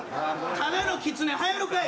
ただのキツネはやるかい